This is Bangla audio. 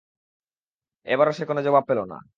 এবারও সে কোন জবাব পেলনা।